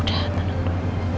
tidak ada apa apa ya